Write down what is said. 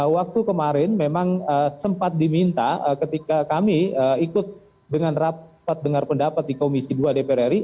waktu kemarin memang sempat diminta ketika kami ikut dengan rapat dengar pendapat di komisi dua dpr ri